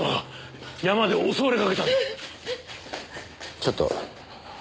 ちょっと。